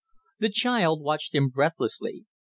The child watched him breathlessly.